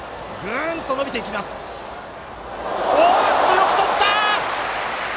よくとった！